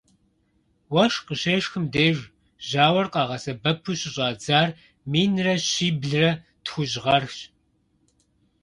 Уэшх къыщешхым деж жьауэр къагъэсэбэпу щыщӏадзар минрэ щиблрэ тхущӏ гъэрщ.